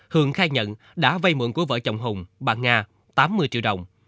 hường khai nhận đã vây mượn của vợ chồng hùng bà nga tám mươi triệu đồng